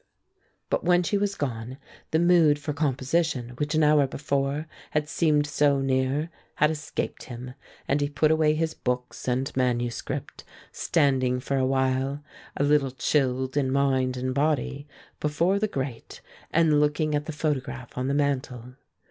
But when she was gone, the mood for composition which an hour before had seemed so near had escaped him, and he put away his books and manuscript, standing for a while, a little chilled in mind and body, before the grate and looking at the photograph on the mantel.